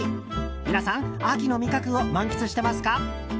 皆さん秋の味覚を満喫してますか？